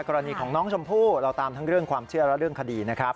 กรณีของน้องชมพู่เราตามทั้งเรื่องความเชื่อและเรื่องคดีนะครับ